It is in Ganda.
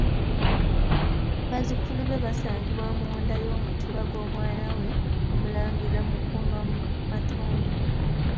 Bazzukulu be basangibwa mu nda y'Omutuba gw'omwana we Omulangira Mukuma Matumbwe.